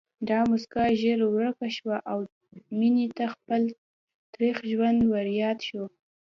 دا مسکا ژر ورکه شوه او مينې ته خپل تريخ ژوند ورياد شو